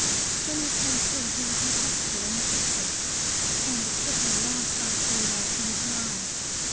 When he came to he was in hospital in a chapel, and it took him a long time to realise he was alive.